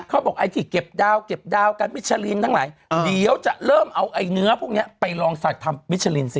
เขาบอกไอ้ที่เก็บดาวเก็บดาวกันมิชลินทั้งหลายเดี๋ยวจะเริ่มเอาไอ้เนื้อพวกนี้ไปลองสักทำมิชลินสิ